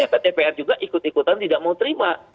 dan ke dpr juga ikut ikutan tidak mau terima